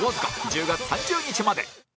１０月３０日まで